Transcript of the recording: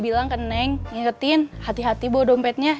ingetin hati hati bawa dompetnya